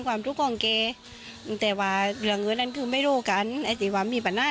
ก็ก็ไปตามคนเขาไหม